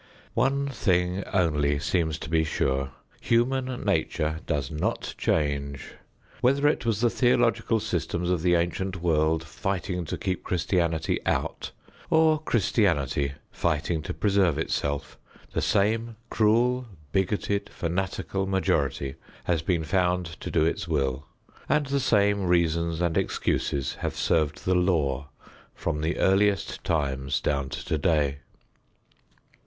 One thing only seems to be sure. Human nature does not change. Whether it was the theological systems of the ancient world fighting to keep Christianity out, or Christianity fighting to preserve itself, the same cruel, bigoted, fanatical majority has been found to do its will, and the same reasons and excuses have served the law from the earliest times down to today.